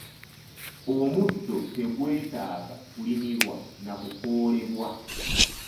Omuddo tegwetaaga kulimirwa na kukoolebwa.